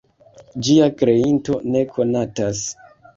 Ĝia kreinto ne konatas.